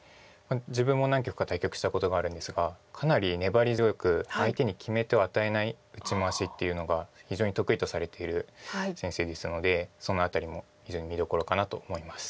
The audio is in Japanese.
自分も何局か対局したことがあるんですがかなり粘り強く相手に決め手を与えない打ち回しっていうのが非常に得意とされている先生ですのでその辺りも非常に見どころかなと思います。